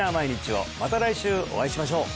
また来週お会いしましょう！